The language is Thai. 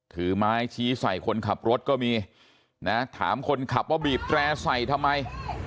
ถือไม้ชี้ใส่คนขับรถก็มีนะถามคนขับว่าบีบแตร่ใส่ทำไม